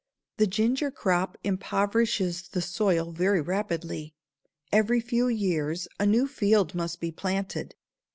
The ginger crop impoverishes the soil very rapidly; every few years a new field must be planted.